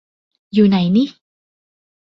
อยู่ไหนนิ